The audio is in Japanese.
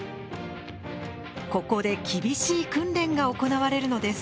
ここで厳しい訓練が行われるのです。